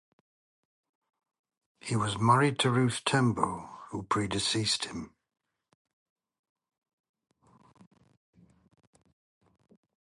He was married to Ruth Tembo, who predeceased him.